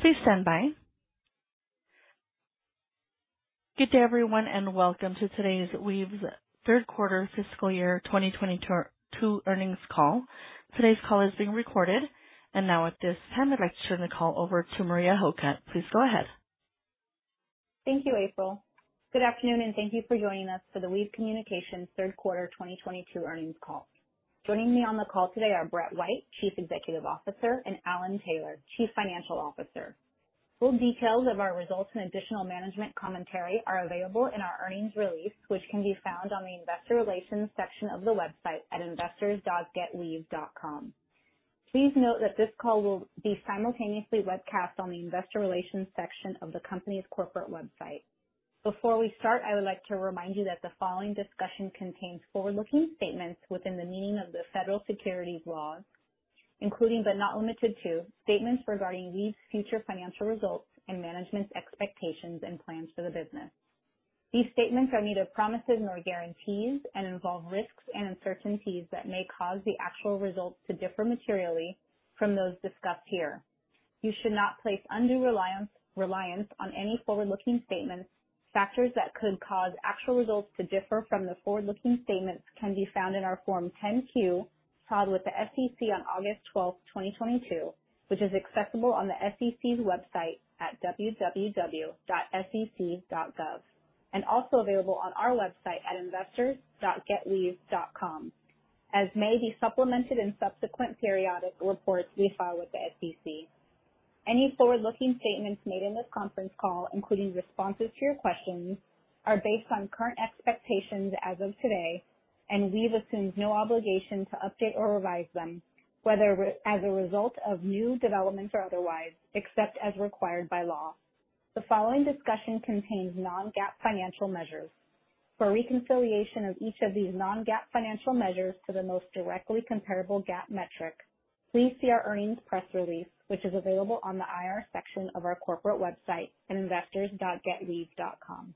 Please stand by. Good day, everyone, and welcome to today's Weave's Third Quarter Fiscal Year 2022 Earnings Call. Today's call is being recorded. Now at this time, I'd like to turn the call over to Maria Hocutt. Please go ahead. Thank you, April. Good afternoon, and thank you for joining us for the Weave Communications third quarter 2022 earnings call. Joining me on the call today are Brett White, Chief Executive Officer, and Alan Taylor, Chief Financial Officer. Full details of our results and additional management commentary are available in our earnings release, which can be found on the investor relations section of the website at investors.getweave.com. Please note that this call will be simultaneously webcast on the investor relations section of the company's corporate website. Before we start, I would like to remind you that the following discussion contains forward-looking statements within the meaning of the federal securities laws, including, but not limited to, statements regarding these future financial results and management's expectations and plans for the business. These statements are neither promises nor guarantees and involve risks and uncertainties that may cause the actual results to differ materially from those discussed here. You should not place undue reliance on any forward-looking statements. Factors that could cause actual results to differ from the forward-looking statements can be found in our Form 10-Q filed with the SEC on August 12, 2022, which is accessible on the SEC's website at www.sec.gov, and also available on our website at investors.getweave.com, as may be supplemented in subsequent periodic reports we file with the SEC. Any forward-looking statements made in this conference call, including responses to your questions, are based on current expectations as of today, and Weave assumes no obligation to update or revise them, whether as a result of new developments or otherwise, except as required by law. The following discussion contains non-GAAP financial measures. For a reconciliation of each of these non-GAAP financial measures to the most directly comparable GAAP metric, please see our earnings press release, which is available on the IR section of our corporate website at investors.getweave.com.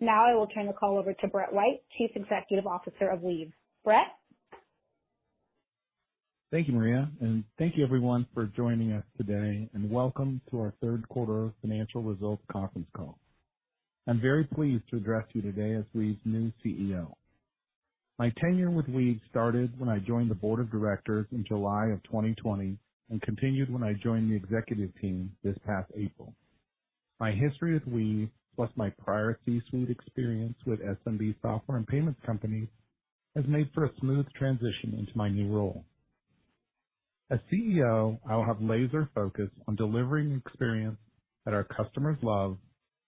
Now I will turn the call over to Brett White, Chief Executive Officer of Weave. Brett? Thank you, Maria, and thank you everyone for joining us today, and welcome to our third quarter financial results conference call. I'm very pleased to address you today as Weave's new CEO. My tenure with Weave started when I joined the board of directors in July of 2020 and continued when I joined the executive team this past April. My history with Weave, plus my prior C-suite experience with SMB software and payments companies, has made for a smooth transition into my new role. As CEO, I will have laser focus on delivering experience that our customers love,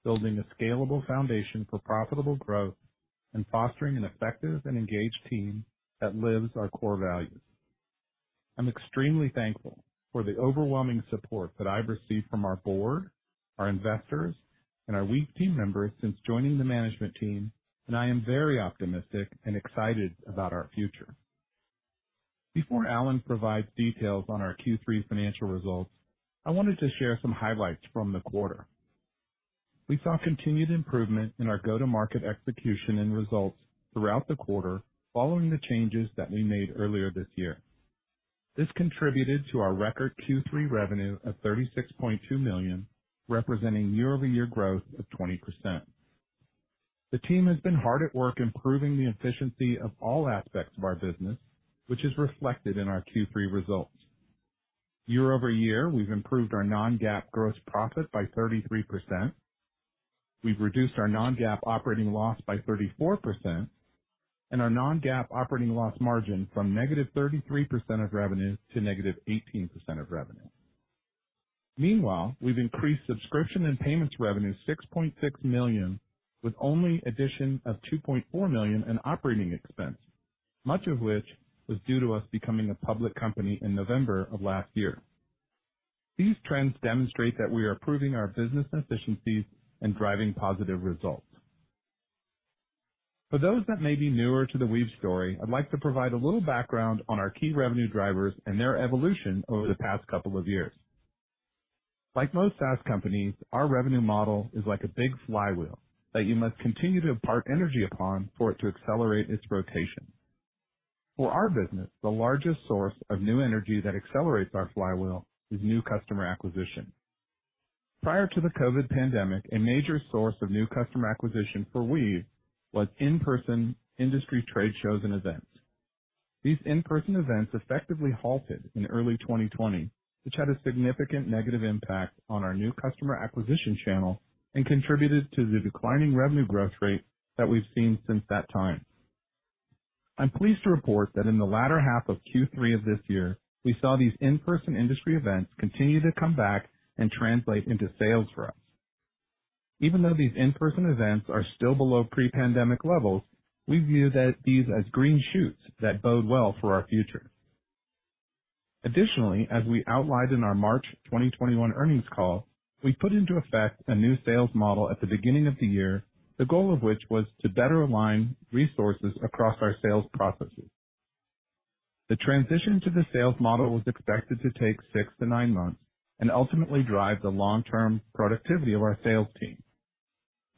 building a scalable foundation for profitable growth, and fostering an effective and engaged team that lives our core values. I'm extremely thankful for the overwhelming support that I've received from our board, our investors, and our Weave team members since joining the management team, and I am very optimistic and excited about our future. Before Alan provides details on our Q3 financial results, I wanted to share some highlights from the quarter. We saw continued improvement in our go-to-market execution and results throughout the quarter following the changes that we made earlier this year. This contributed to our record Q3 revenue of $36.2 million, representing year-over-year growth of 20%. The team has been hard at work improving the efficiency of all aspects of our business, which is reflected in our Q3 results. Year-over-year, we've improved our non-GAAP gross profit by 33%. We've reduced our non-GAAP operating loss by 34% and our non-GAAP operating loss margin from negative 33% of revenue to negative 18% of revenue. Meanwhile, we've increased subscription and payments revenue $6.6 million, with only addition of $2.4 million in operating expense, much of which was due to us becoming a public company in November of last year. These trends demonstrate that we are improving our business efficiencies and driving positive results. For those that may be newer to the Weave story, I'd like to provide a little background on our key revenue drivers and their evolution over the past couple of years. Like most SaaS companies, our revenue model is like a big flywheel that you must continue to impart energy upon for it to accelerate its rotation. For our business, the largest source of new energy that accelerates our flywheel is new customer acquisition. Prior to the COVID pandemic, a major source of new customer acquisition for Weave was in-person industry trade shows and events. These in-person events effectively halted in early 2020, which had a significant negative impact on our new customer acquisition channel and contributed to the declining revenue growth rate that we've seen since that time. I'm pleased to report that in the latter half of Q3 of this year, we saw these in-person industry events continue to come back and translate into sales for us. Even though these in-person events are still below pre-pandemic levels, we view these as green shoots that bode well for our future. Additionally, as we outlined in our March 2021 earnings call, we put into effect a new sales model at the beginning of the year, the goal of which was to better align resources across our sales processes. The transition to the sales model was expected to take 6-9 months and ultimately drive the long-term productivity of our sales team.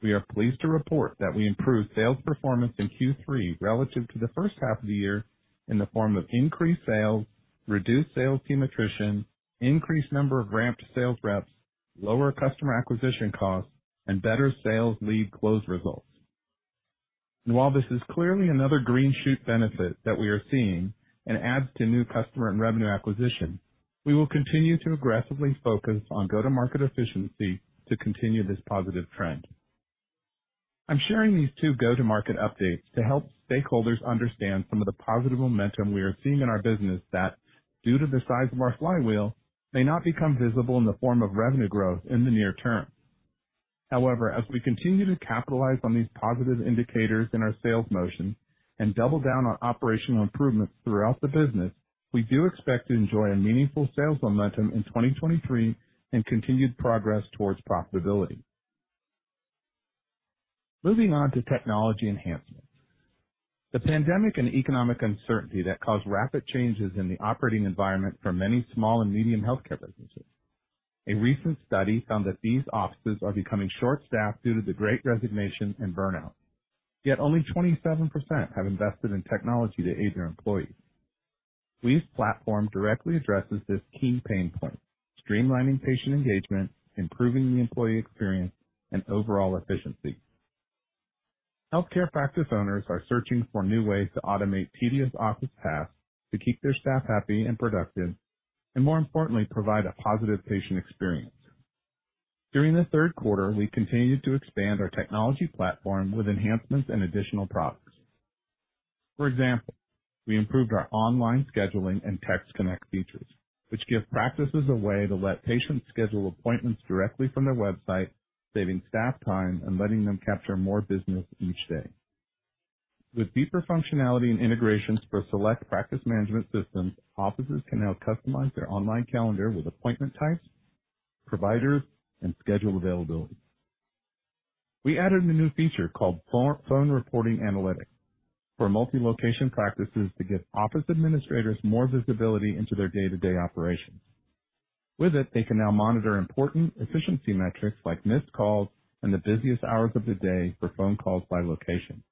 We are pleased to report that we improved sales performance in Q3 relative to the first half of the year in the form of increased sales, reduced sales team attrition, increased number of ramped sales reps, lower customer acquisition costs, and better sales lead close results. While this is clearly another green shoot benefit that we are seeing and adds to new customer and revenue acquisition, we will continue to aggressively focus on go-to-market efficiency to continue this positive trend. I'm sharing these two go-to-market updates to help stakeholders understand some of the positive momentum we are seeing in our business that, due to the size of our flywheel, may not become visible in the form of revenue growth in the near term. However, as we continue to capitalize on these positive indicators in our sales motion and double down on operational improvements throughout the business, we do expect to enjoy a meaningful sales momentum in 2023 and continued progress towards profitability. Moving on to technology enhancements. The pandemic and economic uncertainty that caused rapid changes in the operating environment for many small and medium healthcare businesses. A recent study found that these offices are becoming short-staffed due to the Great Resignation and burnout. Yet only 27% have invested in technology to aid their employees. Weave's platform directly addresses this key pain point, streamlining patient engagement, improving the employee experience, and overall efficiency. Healthcare practice owners are searching for new ways to automate tedious office tasks to keep their staff happy and productive, and more importantly, provide a positive patient experience. During the third quarter, we continued to expand our technology platform with enhancements and additional products. For example, we improved our Online Scheduling and Text Connect features, which give practices a way to let patients schedule appointments directly from their website, saving staff time and letting them capture more business each day. With deeper functionality and integrations for select practice management systems, offices can now customize their online calendar with appointment types, providers, and schedule availability. We added a new feature called Practice Analytics for multi-location practices to give office administrators more visibility into their day-to-day operations. With it, they can now monitor important efficiency metrics like missed calls and the busiest hours of the day for phone calls by location.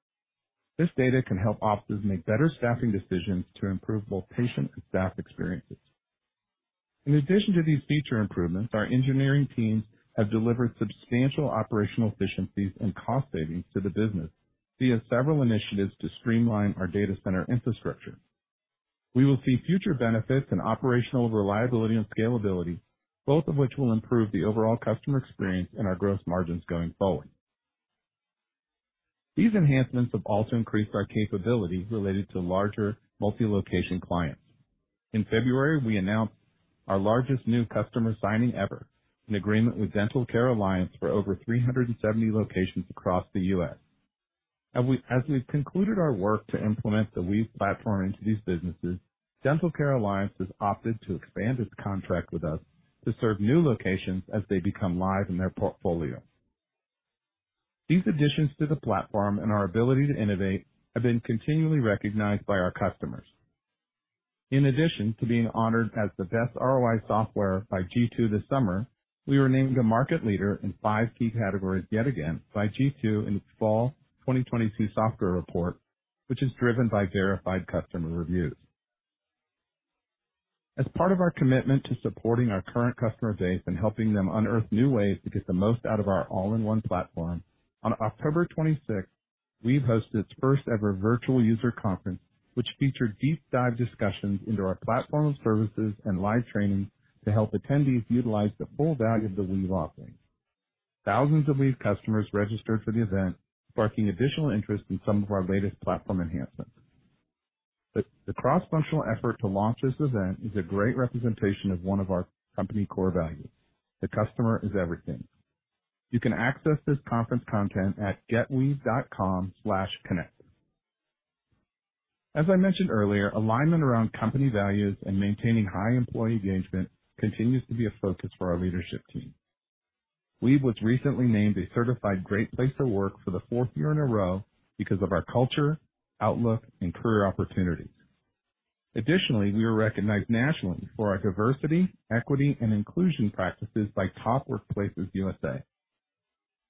This data can help offices make better staffing decisions to improve both patient and staff experiences. In addition to these feature improvements, our engineering teams have delivered substantial operational efficiencies and cost savings to the business via several initiatives to streamline our data center infrastructure. We will see future benefits in operational reliability and scalability, both of which will improve the overall customer experience and our gross margins going forward. These enhancements have also increased our capabilities related to larger multi-location clients. In February, we announced our largest new customer signing ever, an agreement with Dental Care Alliance for over 370 locations across the U.S. As we've concluded our work to implement the Weave platform into these businesses, Dental Care Alliance has opted to expand its contract with us to serve new locations as they become live in their portfolio. These additions to the platform and our ability to innovate have been continually recognized by our customers. In addition to being honored as the Best ROI Software by G2 this summer, we were named a market leader in five key categories yet again by G2 in its Fall 2022 software report, which is driven by verified customer reviews. As part of our commitment to supporting our current customer base and helping them unearth new ways to get the most out of our all-in-one platform, on October twenty-sixth, Weave hosted its first-ever virtual user conference, which featured deep dive discussions into our platform services and live training to help attendees utilize the full value of the Weave offering. Thousands of Weave customers registered for the event, sparking additional interest in some of our latest platform enhancements. The cross-functional effort to launch this event is a great representation of one of our company core values. The customer is everything. You can access this conference content at getweave.com/connect. As I mentioned earlier, alignment around company values and maintaining high employee engagement continues to be a focus for our leadership team. Weave was recently named a certified Great Place to Work for the fourth year in a row because of our culture, outlook, and career opportunities. Additionally, we were recognized nationally for our diversity, equity, and inclusion practices by Top Workplaces USA.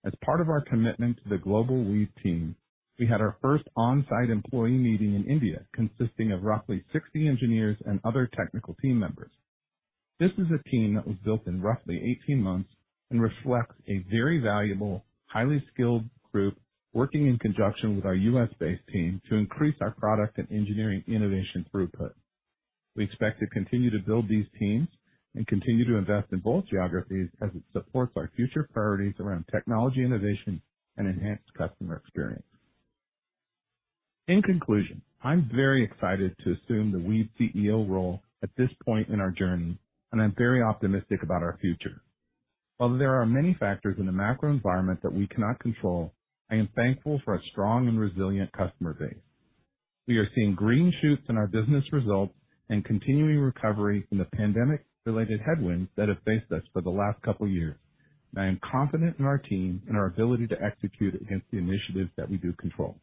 As part of our commitment to the global Weave team, we had our first on-site employee meeting in India, consisting of roughly 60 engineers and other technical team members. This is a team that was built in roughly 18 months and reflects a very valuable, highly skilled group working in conjunction with our U.S.-based team to increase our product and engineering innovation throughput. We expect to continue to build these teams and continue to invest in both geographies as it supports our future priorities around technology innovation and enhanced customer experience. In conclusion, I'm very excited to assume the Weave CEO role at this point in our journey, and I'm very optimistic about our future. While there are many factors in the macro environment that we cannot control, I am thankful for our strong and resilient customer base. We are seeing green shoots in our business results and continuing recovery from the pandemic-related headwinds that have faced us for the last couple years. I am confident in our team and our ability to execute against the initiatives that we do control.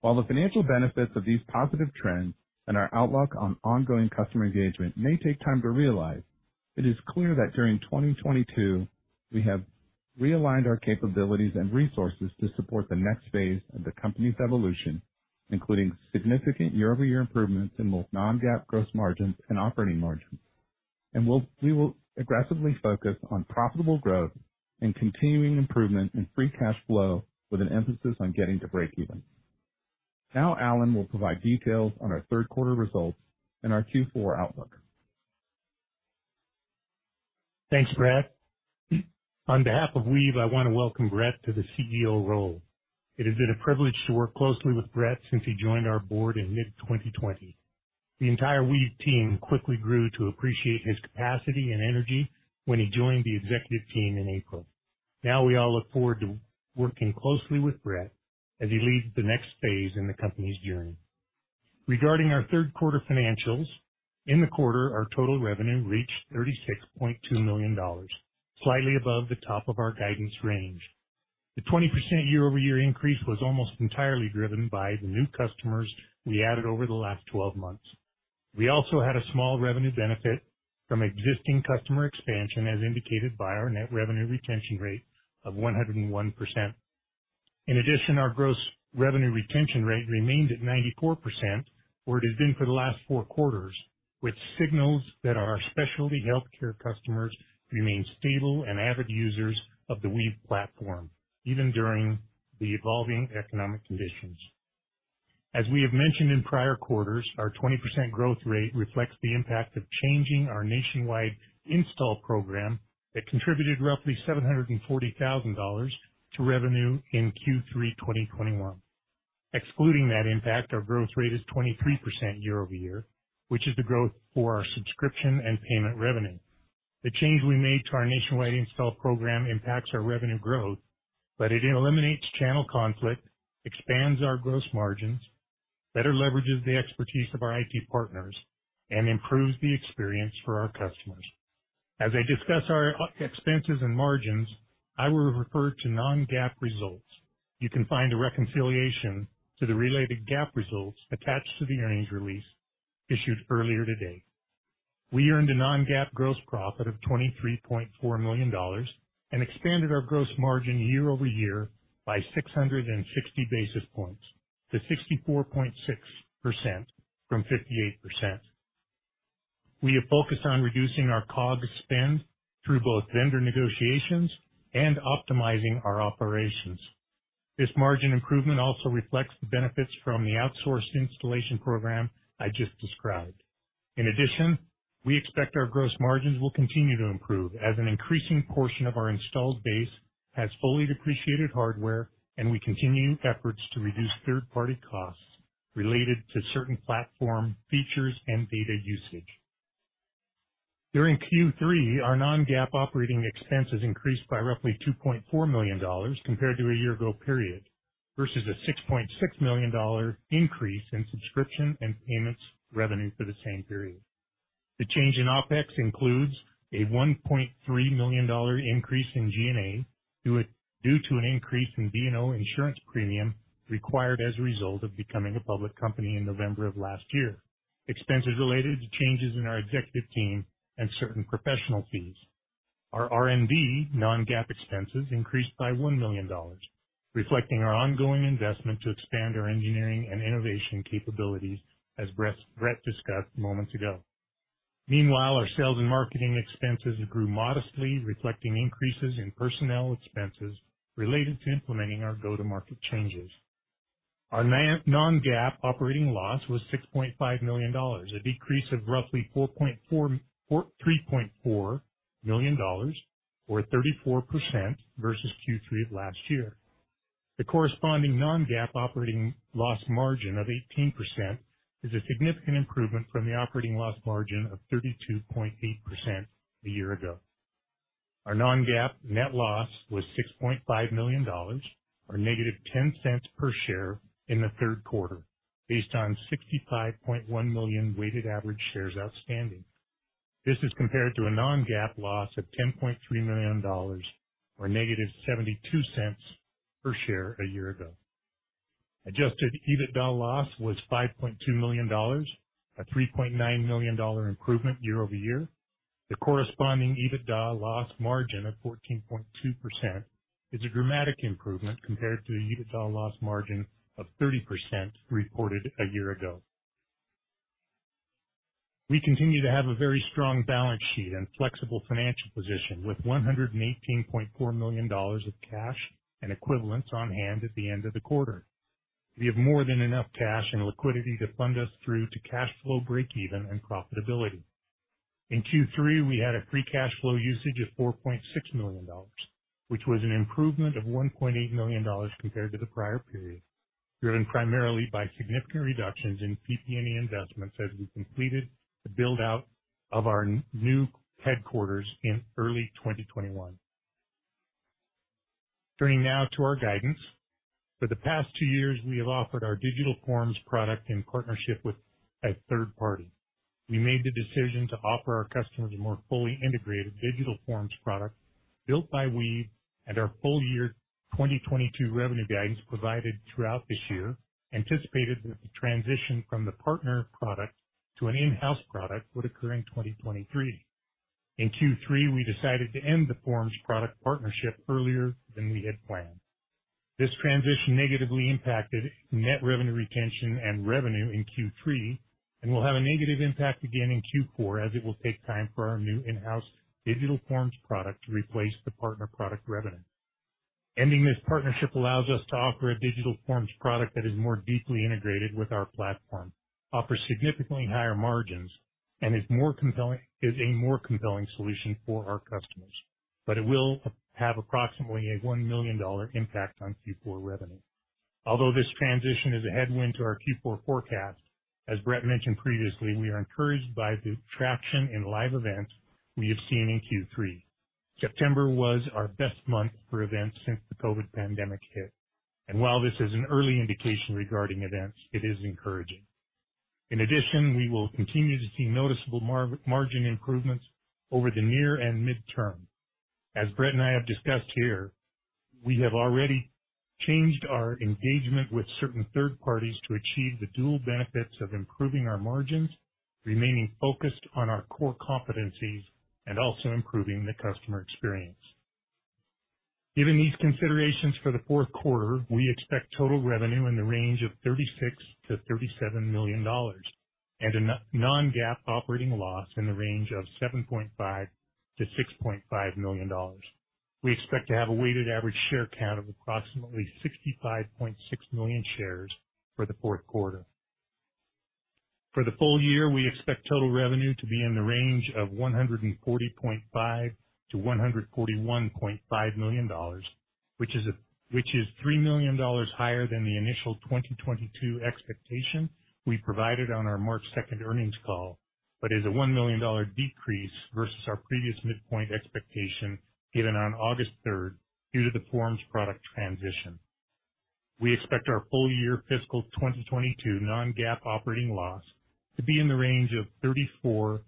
While the financial benefits of these positive trends and our outlook on ongoing customer engagement may take time to realize, it is clear that during 2022, we have realigned our capabilities and resources to support the next phase of the company's evolution, including significant year-over-year improvements in both non-GAAP gross margins and operating margins. We will aggressively focus on profitable growth and continuing improvement in free cash flow with an emphasis on getting to breakeven. Now Alan will provide details on our third quarter results and our Q4 outlook. Thanks, Brett. On behalf of Weave, I want to welcome Brett to the CEO role. It has been a privilege to work closely with Brett since he joined our board in mid-2020. The entire Weave team quickly grew to appreciate his capacity and energy when he joined the executive team in April. Now we all look forward to working closely with Brett as he leads the next phase in the company's journey. Regarding our third quarter financials, in the quarter, our total revenue reached $36.2 million, slightly above the top of our guidance range. The 20% year-over-year increase was almost entirely driven by the new customers we added over the last 12 months. We also had a small revenue benefit from existing customer expansion, as indicated by our net revenue retention rate of 101%. In addition, our gross revenue retention rate remained at 94%, where it has been for the last 4 quarters, which signals that our specialty healthcare customers remain stable and avid users of the Weave platform even during the evolving economic conditions. As we have mentioned in prior quarters, our 20% growth rate reflects the impact of changing our nationwide install program that contributed roughly $740,000 to revenue in Q3 2021. Excluding that impact, our growth rate is 23% year-over-year, which is the growth for our subscription and payment revenue. The change we made to our nationwide install program impacts our revenue growth, but it eliminates channel conflict, expands our gross margins, better leverages the expertise of our IT partners, and improves the experience for our customers. As I discuss our expenses and margins, I will refer to non-GAAP results. You can find a reconciliation to the related GAAP results attached to the earnings release issued earlier today. We earned a non-GAAP gross profit of $23.4 million and expanded our gross margin year-over-year by 660 basis points to 64.6% from 58%. We have focused on reducing our COGS spend through both vendor negotiations and optimizing our operations. This margin improvement also reflects the benefits from the outsourced installation program I just described. In addition, we expect our gross margins will continue to improve as an increasing portion of our installed base has fully depreciated hardware, and we continue efforts to reduce third-party costs related to certain platform features and data usage. During Q3, our non-GAAP operating expenses increased by roughly $2.4 million compared to a year ago period, versus a $6.6 million increase in subscription and payments revenue for the same period. The change in OpEx includes a $1.3 million increase in G&A due to an increase in D&O insurance premium required as a result of becoming a public company in November of last year. Expenses related to changes in our executive team and certain professional fees. Our R&D non-GAAP expenses increased by $1 million, reflecting our ongoing investment to expand our engineering and innovation capabilities, as Brett discussed moments ago. Meanwhile, our sales and marketing expenses grew modestly, reflecting increases in personnel expenses related to implementing our go-to-market changes. Our non-GAAP operating loss was $6.5 million, a decrease of roughly $3.4 million or 34% versus Q3 of last year. The corresponding non-GAAP operating loss margin of 18% is a significant improvement from the operating loss margin of 32.8% a year ago. Our non-GAAP net loss was $6.5 million or -$0.10 per share in the third quarter, based on 65.1 million weighted average shares outstanding. This is compared to a non-GAAP loss of $10.3 million or -$0.72 per share a year ago. Adjusted EBITDA loss was $5.2 million, a $3.9 million improvement year-over-year. The corresponding EBITDA loss margin of 14.2% is a dramatic improvement compared to the EBITDA loss margin of 30% reported a year ago. We continue to have a very strong balance sheet and flexible financial position with $118.4 million of cash and equivalents on hand at the end of the quarter. We have more than enough cash and liquidity to fund us through to cash flow breakeven and profitability. In Q3, we had a free cash flow usage of $4.6 million, which was an improvement of $1.8 million compared to the prior period, driven primarily by significant reductions in PP&E investments as we completed the build out of our new headquarters in early 2021. Turning now to our guidance. For the past two years, we have offered our Digital Forms product in partnership with a third party. We made the decision to offer our customers a more fully integrated Digital Forms product built by Weave, and our full-year 2022 revenue guidance provided throughout this year anticipated that the transition from the partner product to an in-house product would occur in 2023. In Q3, we decided to end the forms product partnership earlier than we had planned. This transition negatively impacted net revenue retention and revenue in Q3 and will have a negative impact again in Q4 as it will take time for our new in-house Digital Forms product to replace the partner product revenue. Ending this partnership allows us to offer a Digital Forms product that is more deeply integrated with our platform, offers significantly higher margins, and is a more compelling solution for our customers, but it will have approximately $1 million impact on Q4 revenue. Although this transition is a headwind to our Q4 forecast, as Brett mentioned previously, we are encouraged by the traction in live events we have seen in Q3. September was our best month for events since the COVID pandemic hit. While this is an early indication regarding events, it is encouraging. In addition, we will continue to see noticeable margin improvements over the near and midterm. As Brett and I have discussed here, we have already changed our engagement with certain third parties to achieve the dual benefits of improving our margins, remaining focused on our core competencies, and also improving the customer experience. Given these considerations for the fourth quarter, we expect total revenue in the range of $36 million-$37 million and a non-GAAP operating loss in the range of $7.5 million-$6.5 million. We expect to have a weighted average share count of approximately 65.6 million shares for the fourth quarter. For the full year, we expect total revenue to be in the range of $140.5 million-$141.5 million, which is $3 million higher than the initial 2022 expectation we provided on our March 2 earnings call, but is a $1 million decrease versus our previous midpoint expectation given on August 3 due to the forms product transition. We expect our full year fiscal 2022 non-GAAP operating loss to be in the range of $34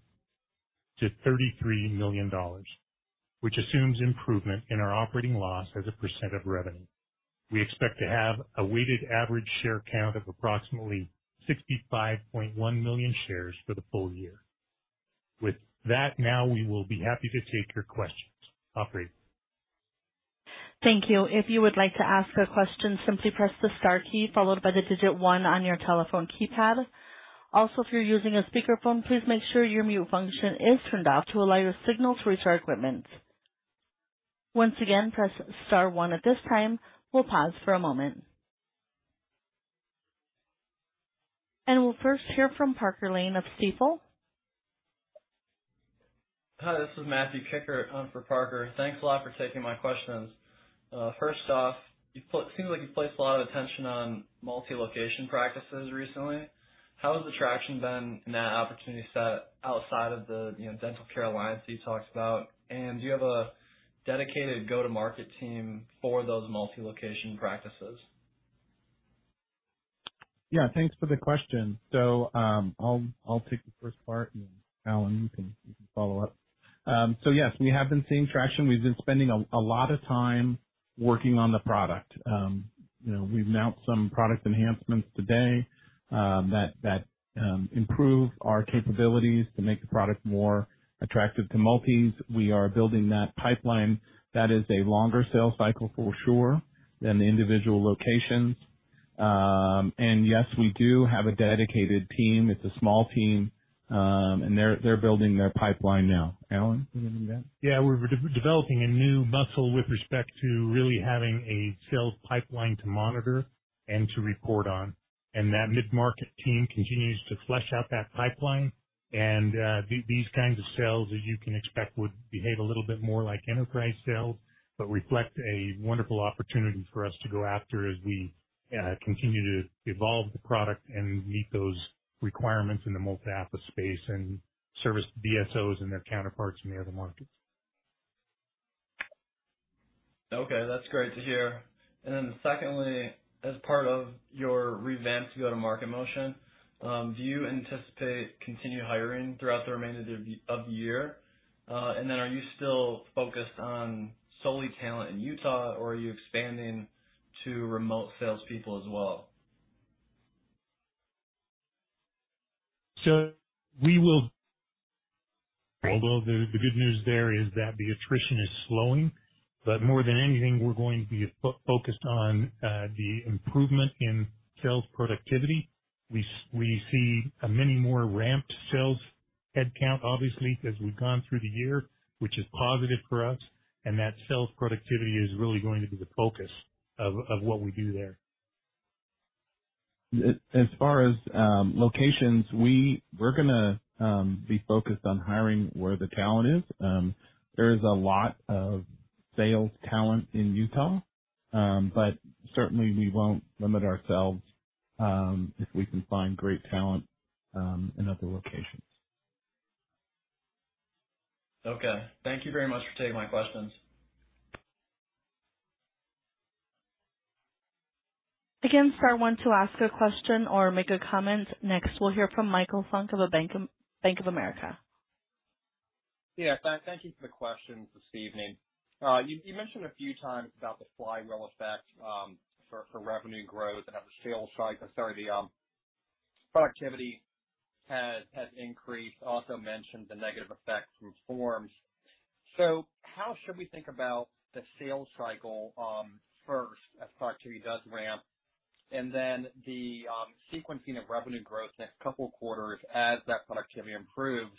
million-$33 million, which assumes improvement in our operating loss as a % of revenue. We expect to have a weighted average share count of approximately 65.1 million shares for the full year. With that, now we will be happy to take your questions. Operator. Thank you. If you would like to ask a question, simply press the star key followed by the digit one on your telephone keypad. Also, if you're using a speakerphone, please make sure your mute function is turned off to allow your signal to reach our equipment. Once again, press star one at this time. We'll pause for a moment. We'll first hear from Parker Lane of Stifel. Hi, this is Matthew Kikkert on for Parker Lane. Thanks a lot for taking my questions. First off, it seems like you placed a lot of attention on multi-location practices recently. How has the traction been in that opportunity set outside of the, you know, Dental Care Alliance that you talked about? And do you have a dedicated go-to-market team for those multi-location practices? Yeah, thanks for the question. I'll take the first part, and Alan, you can follow up. Yes, we have been seeing traction. We've been spending a lot of time working on the product. You know, we've announced some product enhancements today, that improve our capabilities to make the product more attractive to multis. We are building that pipeline. That is a longer sales cycle for sure than the individual locations. Yes, we do have a dedicated team. It's a small team, and they're building their pipeline now. Alan, you wanna do that? Yeah, we're developing a new muscle with respect to really having a sales pipeline to monitor and to report on. That mid-market team continues to flesh out that pipeline. These kinds of sales, as you can expect, would behave a little bit more like enterprise sales, but reflect a wonderful opportunity for us to go after as we continue to evolve the product and meet those requirements in the multi-office space and service DSOs and their counterparts in the other markets. Okay. That's great to hear. Secondly, as part of your revamped go-to-market motion, do you anticipate continued hiring throughout the remainder of the year? Are you still focused on solely talent in Utah, or are you expanding to remote salespeople as well? We will. Although the good news there is that the attrition is slowing. More than anything, we're going to be focused on the improvement in sales productivity. We see many more ramped sales headcount, obviously, as we've gone through the year, which is positive for us, and that sales productivity is really going to be the focus of what we do there. As far as locations, we're gonna be focused on hiring where the talent is. There is a lot of sales talent in Utah, but certainly we won't limit ourselves if we can find great talent in other locations. Okay. Thank you very much for taking my questions. Again, star one to ask a question or make a comment. Next, we'll hear from Michael Funk of Bank of America. Yeah. Thank you for the questions this evening. You mentioned a few times about the flywheel effect for revenue growth and how the productivity has increased. Also mentioned the negative effect from forms. How should we think about the sales cycle first as productivity does ramp and then the sequencing of revenue growth next couple quarters as that productivity improves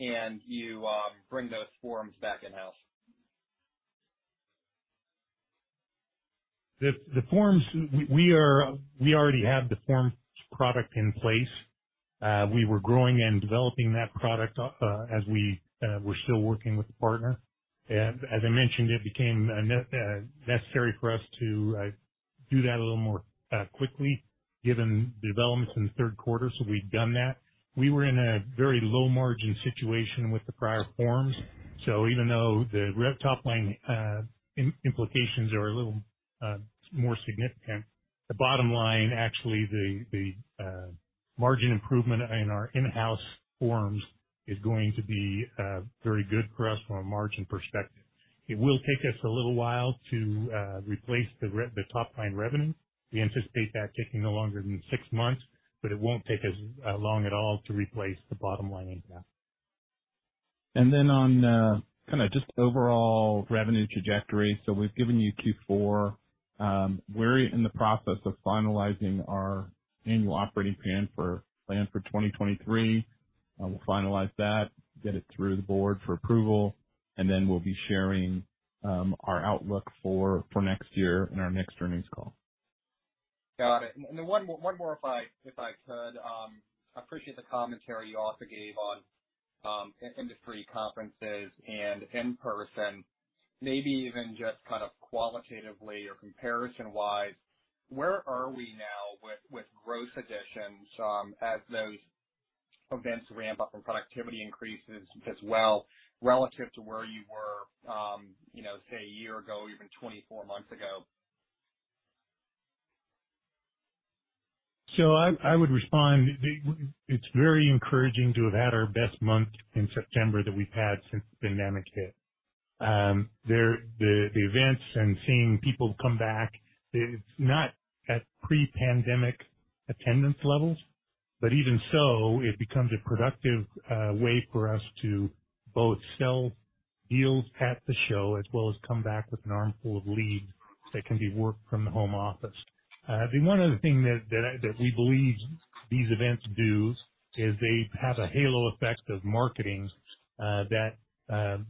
and you bring those forms back in-house? The forms we already have the forms product in place. We were growing and developing that product as we were still working with the partner. As I mentioned, it became necessary for us to do that a little more quickly given the developments in the third quarter. We've done that. We were in a very low margin situation with the prior forms. Even though the revenue top-line implications are a little more significant, the bottom line, actually, the margin improvement in our in-house forms is going to be very good for us from a margin perspective. It will take us a little while to replace the top-line revenue. We anticipate that taking no longer than six months, but it won't take us long at all to replace the bottom line income. On kinda just overall revenue trajectory. We've given you Q4. We're in the process of finalizing our annual operating plan for 2023. We'll finalize that, get it through the board for approval, and then we'll be sharing our outlook for next year in our next earnings call. Got it. One more if I could. Appreciate the commentary you also gave on industry conferences and in-person. Maybe even just kind of qualitatively or comparison wise, where are we now with gross additions as those events ramp up and productivity increases as well relative to where you were, you know, say a year ago or even 24 months ago? I would respond. It's very encouraging to have had our best month in September that we've had since the pandemic hit. The events and seeing people come back, it's not at pre-pandemic attendance levels, but even so, it becomes a productive way for us to both sell deals at the show as well as come back with an arm full of leads that can be worked from the home office. The one other thing that we believe these events do is they have a halo effect of marketing, that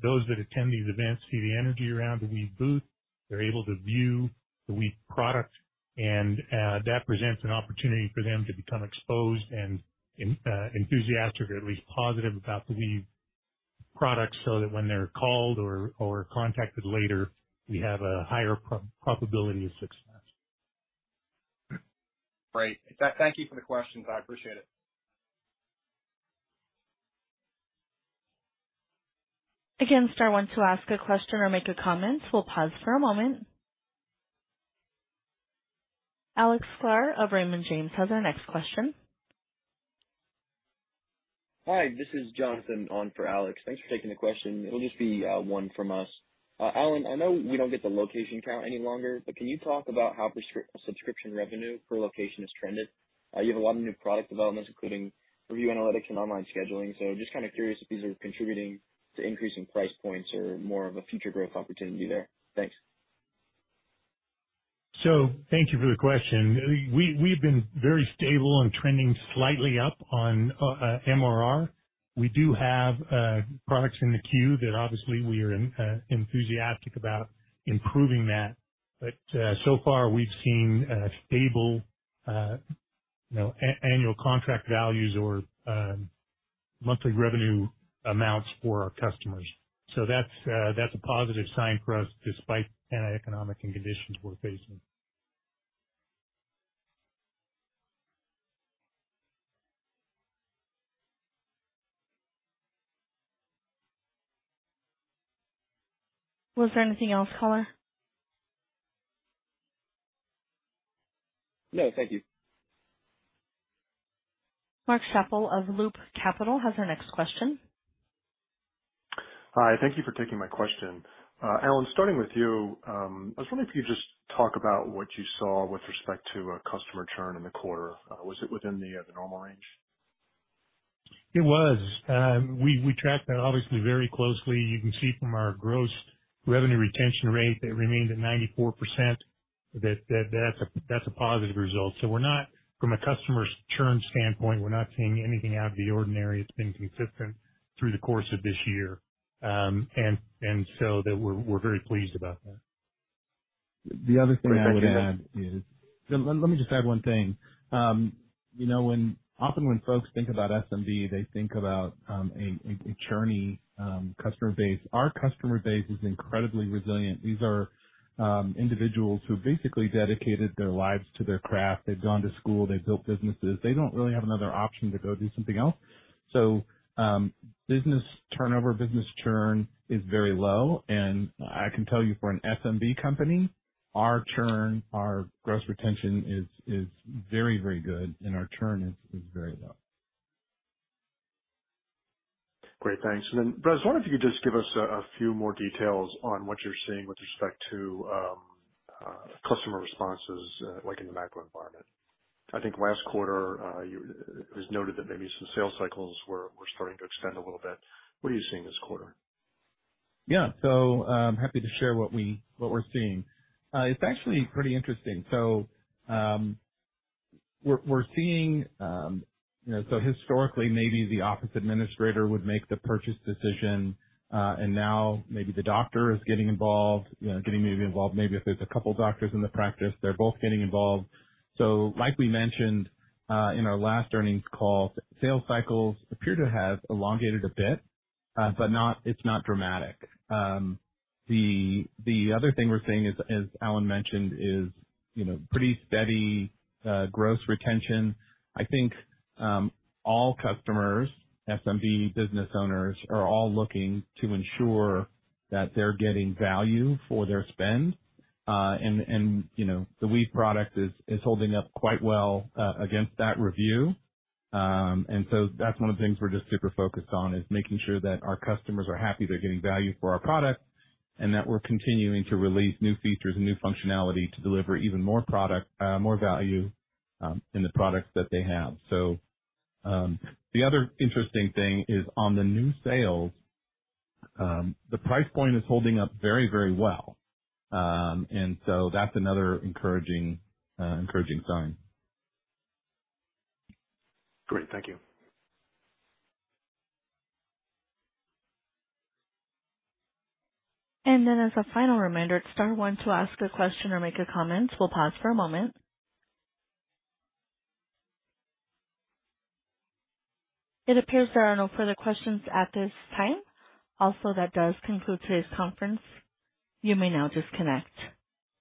those that attend these events see the energy around the Weave booth, they're able to view the Weave product, and that presents an opportunity for them to become exposed and enthusiastic or at least positive about the Weave products, so that when they're called or contacted later, we have a higher probability of success. Great. Thank you for the question. I appreciate it. Again, star one to ask a question or make a comment. We'll pause for a moment. Alex Sklar of Raymond James has our next question. Hi, this is Jonathan on for Alex. Thanks for taking the question. It'll just be one from us. Alan, I know we don't get the location count any longer, but can you talk about how subscription revenue per location has trended? You have a lot of new product developments, including Review Analytics and Online Scheduling. Just kind of curious if these are contributing to increasing price points or more of a future growth opportunity there. Thanks. Thank you for the question. We've been very stable and trending slightly up on MRR. We do have products in the queue that obviously we are enthusiastic about improving that. so far we've seen a stable you know annual contract values or monthly revenue amounts for our customers. that's a positive sign for us despite the economic conditions we're facing. Was there anything else, Sklar? No, thank you. Mark Schappel of Loop Capital has our next question. Hi. Thank you for taking my question. Alan, starting with you, I was wondering if you could just talk about what you saw with respect to customer churn in the quarter. Was it within the normal range? It was. We track that obviously very closely. You can see from our gross revenue retention rate that remained at 94%, that's a positive result. From a customer's churn standpoint, we're not seeing anything out of the ordinary. It's been consistent through the course of this year. We're very pleased about that. The other thing I would add is. Let me just add one thing. You know, when often folks think about SMB, they think about a churny customer base. Our customer base is incredibly resilient. These are individuals who basically dedicated their lives to their craft. They've gone to school. They've built businesses. They don't really have another option to go do something else. So, business turnover, business churn is very low. I can tell you for an SMB company, our churn, our gross retention is very, very good, and our churn is very low. Great. Thanks Brett I was wondering if you could just give us a few more details on what you're seeing with respect to customer responses, like in the macro environment. I think last quarter, it was noted that maybe some sales cycles were starting to extend a little bit. What are you seeing this quarter? Yeah. Happy to share what we're seeing. It's actually pretty interesting. We're seeing. You know, historically, maybe the office administrator would make the purchase decision, and now maybe the doctor is getting involved, you know, getting involved. Maybe if there's a couple doctors in the practice, they're both getting involved. Like we mentioned in our last earnings call, sales cycles appear to have elongated a bit, but it's not dramatic. The other thing we're seeing is, as Alan mentioned, pretty steady gross retention. I think all customers, SMB business owners, are all looking to ensure that they're getting value for their spend. And you know, the Weave product is holding up quite well against that review. That's one of the things we're just super focused on, is making sure that our customers are happy, they're getting value for our product, and that we're continuing to release new features and new functionality to deliver even more product, more value, in the products that they have. The other interesting thing is on the new sales, the price point is holding up very, very well. That's another encouraging sign. Great. Thank you. As a final reminder, star one to ask a question or make a comment. We'll pause for a moment. It appears there are no further questions at this time. Also, that does conclude today's conference. You may now disconnect.